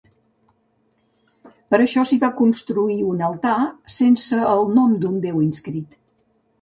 Per això s'hi va construir un altar sense el nom d'un déu inscrit.